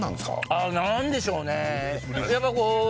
あっ何でしょうね